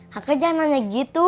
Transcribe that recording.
kakak jangan nanya gitu